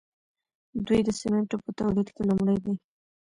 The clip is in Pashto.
دوی د سیمنټو په تولید کې لومړی دي.